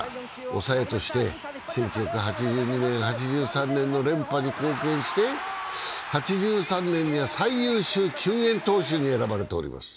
抑えとして１９８２年、８３年の連覇に貢献して８３年には最優秀救援投手に選ばれております。